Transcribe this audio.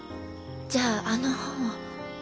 じゃああの本を。